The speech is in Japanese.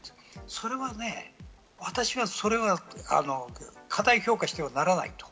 それはね、私はそれは過大評価してはならないと。